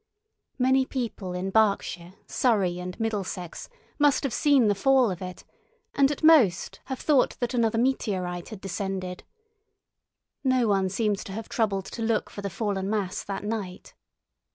Many people in Berkshire, Surrey, and Middlesex must have seen the fall of it, and, at most, have thought that another meteorite had descended. No one seems to have troubled to look for the fallen mass that night.